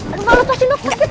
aduh malah tuh asli nongkok kita